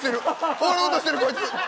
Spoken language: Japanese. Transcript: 終わろうとしてる、こいつ。